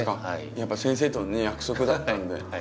やっぱ先生との約束だったんで。